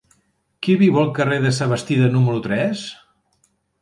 Qui viu al carrer de Sabastida número tres?